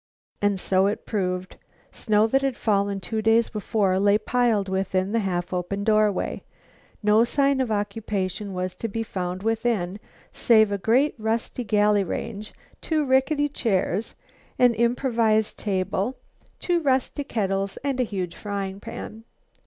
And so it proved. Snow that had fallen two days before lay piled within the half open doorway. No sign of occupation was to be found within save a great rusty galley range, two rickety chairs, an improvised table, two rusty kettles and a huge frying pan.